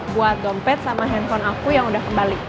buat dompet sama handphone aku yang udah kembali